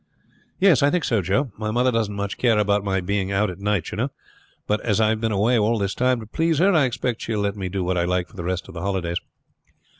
"Yes, I think so, Joe. My mother doesn't much care about my being out at night, you know; but as I have been away all this time to please her, I expect she will let me do what I like for the rest of the holidays."